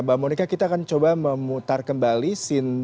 mbak monica kita akan coba memutar kembali scene berikutnya